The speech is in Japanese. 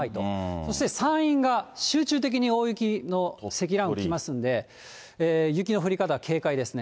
そして山陰が集中的に大雪の積乱雲来ますんで、雪の降り方、警戒ですね。